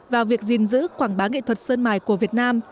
vào việc duyên giữ quảng bá nghệ thuật sơn mải của việt nam